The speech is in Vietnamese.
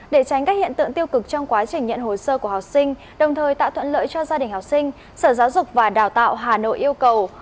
để tránh các hiện tượng tiêu cực trong quá trình nhận hồ sơ của học sinh đồng thời tạo thuận lợi cho gia đình học sinh sở giáo dục và đào tạo hà nội yêu cầu